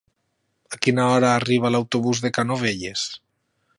A quina hora arriba l'autobús de Canovelles?